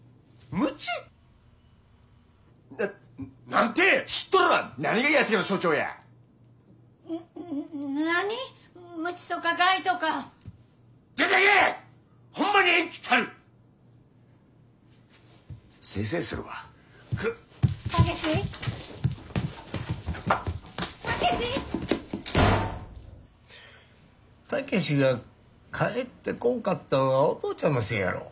武志が帰ってこんかったんはお父ちゃんのせいやろ。